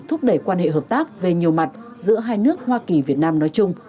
thúc đẩy quan hệ hợp tác về nhiều mặt giữa hai nước hoa kỳ việt nam nói chung